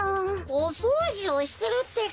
おそうじをしてるってか。